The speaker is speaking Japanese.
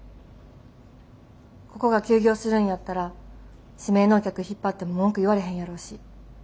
ここが休業するんやったら指名のお客引っ張っても文句言われへんやろうし。